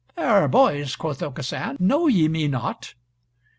"Fair boys," quoth Aucassin, "know ye me not?"